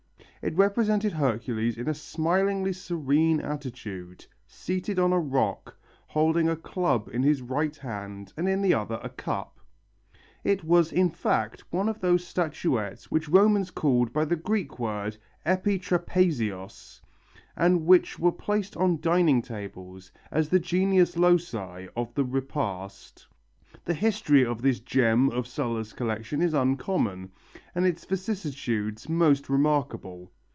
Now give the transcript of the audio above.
It represented Hercules in a smilingly serene attitude, seated on a rock, holding a club in his right hand and in the other a cup. It was in fact one of those statuettes which Romans called by the Greek word epitrapezios, and which were placed on dining tables as the genius loci of the repast. The history of this gem of Sulla's collection is uncommon, and its vicissitudes most remarkable.